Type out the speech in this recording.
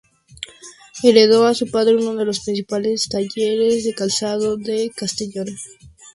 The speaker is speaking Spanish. Heredó de su padre uno de los principales talleres de calzado de Castellón.